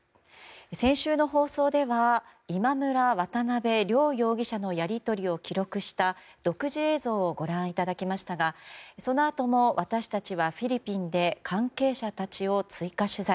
先週放送では今村・渡邉両容疑者のやり取りを記録した独自映像をご覧いただきましたがそのあとも私たちはフィリピンで関係者たちを追加取材。